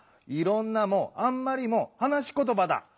「いろんな」も「あんまり」もはなしことばだ。